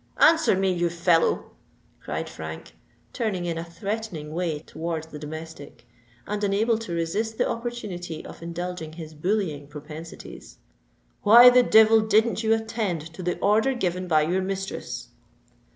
"Answer me, you fellow!" cried Frank, turning in a threatening way towards the domestic, and unable to resist the opportunity of indulging his bullying propensities. "Why the devil didn't you attend to the order given by your mistress?"